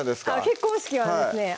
結婚式はですね